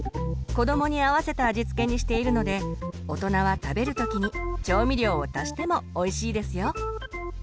子どもに合わせた味付けにしているので大人は食べる時に調味料を足してもおいしいですよ。